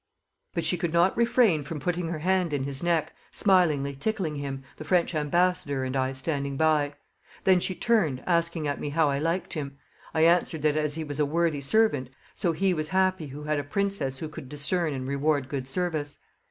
But she could not refrain from putting her hand in his neck, smilingly tickling him, the French ambassador and I standing by. Then she turned, asking at me how I liked him? I answered, that as he was a worthy servant, so he was happy, who had a princess who could discern and reward good service.